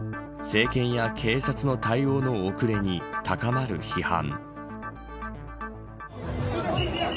政権や警察の対応の遅れに高まる批判。